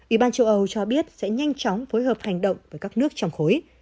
ủy ban châu âu cho biết sẽ nhanh chóng phối hợp hành động với các nước trong khối